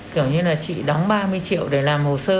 kiểu như là chị đóng ba mươi triệu để làm hồ sơ